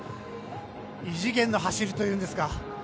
異次元の走りというんですか。